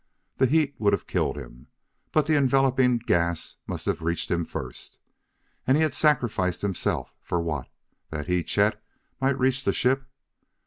The heat would have killed him, but the enveloping gas must have reached him first. And he had sacrificed himself for what? that he, Chet, might reach the ship!...